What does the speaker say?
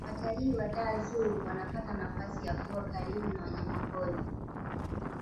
watalii wa dar zoo wanapata nafasi ya kuwa karibu na wanyamapori